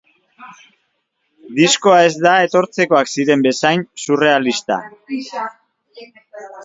Diskoa ez da etortzekoak ziren bezain surrealista.